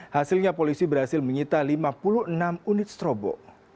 hasilnya polisi berhasil menyita lima puluh enam unit strobo